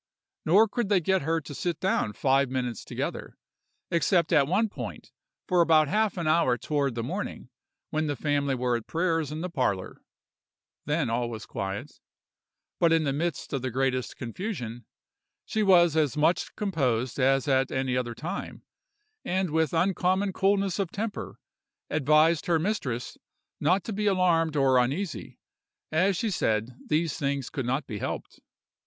Nor could they get her to sit down five minutes together, except at one time for about half an hour toward the morning, when the family were at prayers in the parlor; then all was quiet: but in the midst of the greatest confusion, she was as much composed as at any other time, and with uncommon coolness of temper advised her mistress not to be alarmed or uneasy, as she said these things could not be helped.